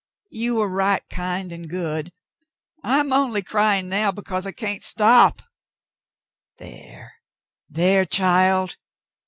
You were right kind and good. I'm only crying now because I can't stop." "There, there, child